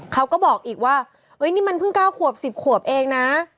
เขาก็บอกอีกว่านี่มันเพิ่ง๙ขวบ๑๐ขวบเองนะ